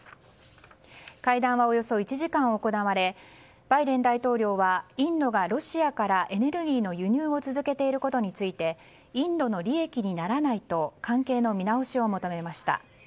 会談はおよそ１時間行われバイデン大統領はインドがロシアからエネルギーの輸入を続けていることについてインドの利益にならないと関係の見直しを求めました。